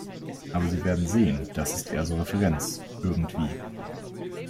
Aber Sie werden sehen, das ist eher so Referenz, irgendwie.